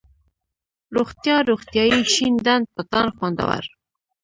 روغتيا، روغتیایي ،شين ډنډ، پټان ، خوندور،